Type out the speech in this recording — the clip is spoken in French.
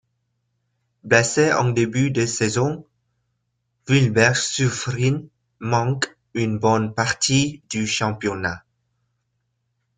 Blessé en début de saison, Wilbert Suvrijn manque une bonne partie du championnat.